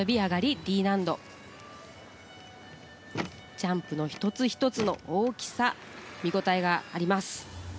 ジャンプの１つ１つの大きさ、見ごたえがあります。